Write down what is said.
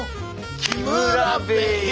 木村部屋！